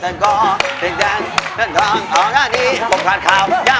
ไอ้สูงเล็กอะ